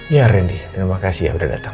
iya randy terima kasih ya udah datang